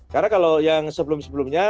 karena kalau yang sebelum sebelumnya